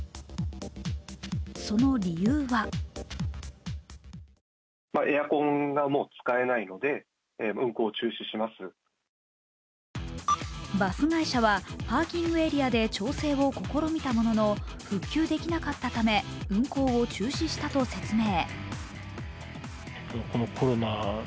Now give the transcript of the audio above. その理由はバス会社はパーキングエリアで調整を試みたものの復旧できなかったため運行を中止したと説明。